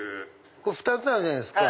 これ２つあるじゃないですか。